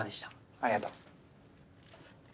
ありがとう。